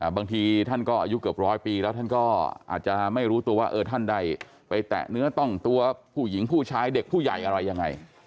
บางทีท่านก็อายุเกือบร้อยปีแล้วท่านก็อาจจะไม่รู้ตัวว่าท่านได้ไปแตะเนื้อต้องตัวผู้หญิงผู้ชายเด็กผู้ใหญ่อะไรยังไง